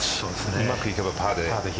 うまくいけばパーで。